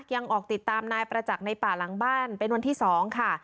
ยังออกติดตามนายประจักษ์ในป่าหลังบ้านเป็นวันที่๒ค่ะ